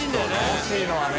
ほしいのはね。